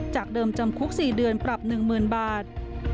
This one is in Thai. จากเดิมจำคุก๔เดือนปรับ๑๐๐๐บาท